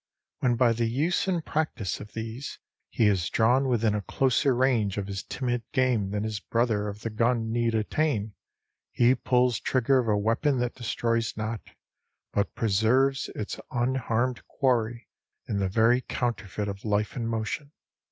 When by the use and practice of these, he has drawn within a closer range of his timid game than his brother of the gun need attain, he pulls trigger of a weapon that destroys not, but preserves its unharmed quarry in the very counterfeit of life and motion.